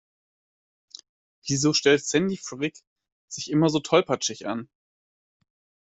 Wieso stellt Sandy Frick sich immer so tollpatschig an?